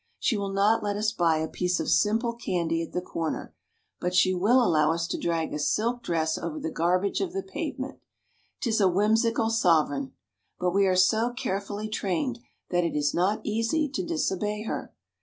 She will not let us buy a piece of simple candy at the corner, but she will allow us to drag a silk dress over the garbage of the pavement. 'Tis a whimsical sovereign. But we are so carefully trained that it is not easy to disobey her.